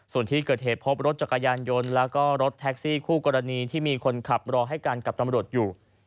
ส่วนที่เกิดเหตุพบรถจักรยานยนต์แล้วก็รถแท็กซี่คู่กรณีที่มีคนขับรอให้กันกับตำรวจอยู่